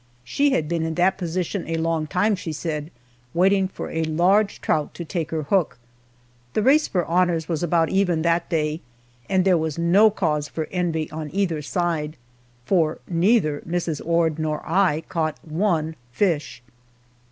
She had been in that position a long time, she said, waiting for a large trout to take her hook. The race for honors was about even that day, and there was no cause for envy on either side, for neither Mrs. Ord nor I caught one fish!